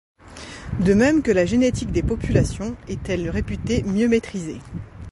De même que la génétique des populations est elle réputée mieux maîtrisée.